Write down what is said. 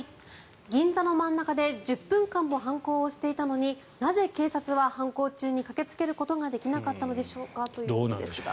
銀座の真ん中で１０分間も犯行をしていたのになぜ警察は犯行中に駆けつけることができなかったのでしょうか。